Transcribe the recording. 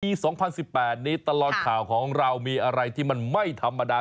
๒๐๑๘นี้ตลอดข่าวของเรามีอะไรที่มันไม่ธรรมดา